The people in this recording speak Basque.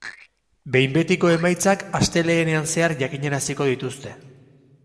Behin betiko emaitzak astelehenean zehar jakinaraziko dituzte.